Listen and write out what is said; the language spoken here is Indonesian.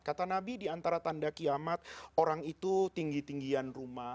kata nabi diantara tanda kiamat orang itu tinggi tinggian rumah